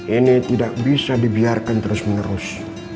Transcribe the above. ini tidak bisa dibiarkan terus menerus